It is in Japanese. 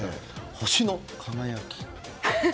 星の輝き。